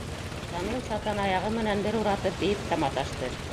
Шамил сатан аяғы менән бер уратып бейеп тә маташты.